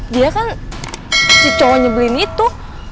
dia kan si cowok nyebelin itu